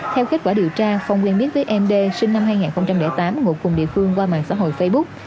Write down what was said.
theo kết quả điều tra phong liên biến với em đê sinh năm hai nghìn tám ngụ cùng địa phương qua mạng xã hội facebook